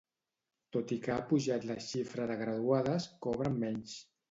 Tot i que ha pujat la xifra de graduades, cobren menys.